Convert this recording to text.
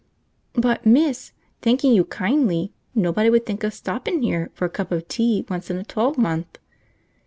"But, miss, thanking you kindly, nobody would think of stoppin' 'ere for a cup of tea once in a twelvemonth."